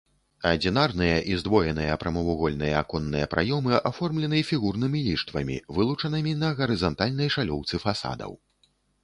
Адзінарныя і здвоеныя прамавугольныя аконныя праёмы аформлены фігурнымі ліштвамі, вылучанымі на гарызантальнай шалёўцы фасадаў.